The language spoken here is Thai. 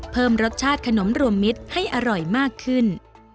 เพิ่มรสชาติขนมรวมมิตรให้อร่อยมากขึ้น